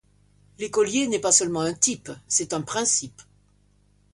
L’écolier n’est pas seulement un type, c’est un principe.